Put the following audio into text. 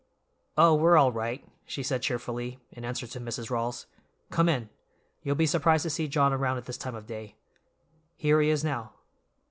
"Oh, we're all right," she said cheerfully, in answer to Mrs. Rawls. "Come in; you'll be surprised to see John around at this time of day—here he is now.